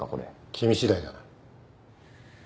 君次第だな。